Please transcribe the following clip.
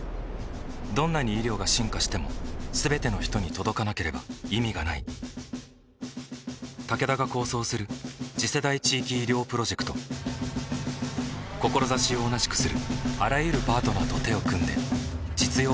どんなに医療が進化しても全ての人に届かなければ意味がないタケダが構想する次世代地域医療プロジェクト志を同じくするあらゆるパートナーと手を組んで実用化に挑む